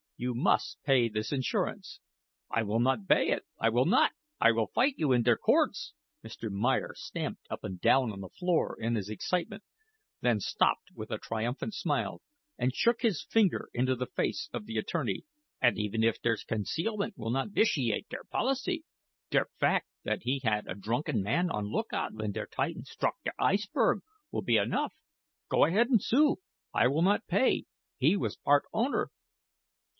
You must pay this insurance." "I will not bay it. I will not. I will fight you in der courts." Mr. Meyer stamped up and down the floor in his excitement, then stopped with a triumphant smile, and shook his finger into the face of the attorney. "And even if der concealment will not vitiate der policy, der fact that he had a drunken man on lookout when der Titan struck der iceberg will be enough. Go ahead and sue. I will not pay. He was part owner."